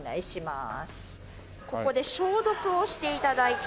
ここで消毒をして頂いて。